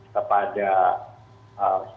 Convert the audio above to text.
kepada setiap perguruan